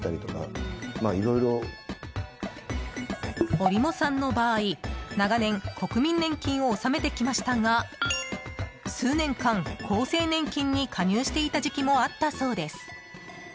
おりもさんの場合、長年国民年金を納めてきましたが数年間、厚生年金に加入していた時期もあったそうです。